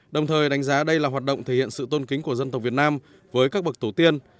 đồng thời đánh giá đây là hoạt động thể hiện sự tôn kính của dân tộc việt nam với các bậc tổ tiên